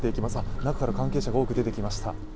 中から関係者が多く出てきました。